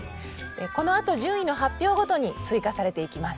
このあと順位の発表ごとに追加されていきます。